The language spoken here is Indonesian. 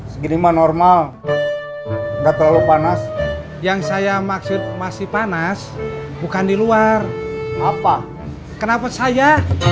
seginima normal nggak terlalu panas yang saya maksud masih panas bukan di luar apa kenapa saya